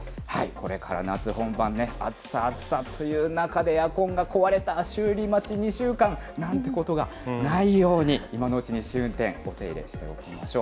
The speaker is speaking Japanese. これから夏本番ね、暑さ、暑さという中でエアコンが壊れた、修理待ち２週間なんてことがないように、今のうちに試運転、お手入れしておきましょう。